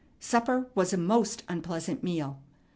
Supper was a most unpleasant meal.